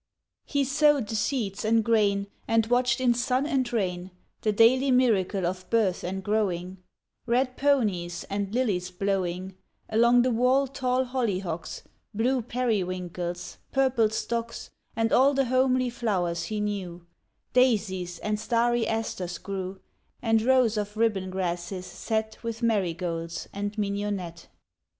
He sowed the seeds and grain, And watched in sun and rain The daily miracle of birth and growing, — Red peonies, and lilies blowing ; Along the wall tall hollyhocks, Blue periwinkles, purple stocks, And all the homely flowers he knew, Daisies, and starry asters grew, And rows of ribbon grasses set With marigolds and mignonette.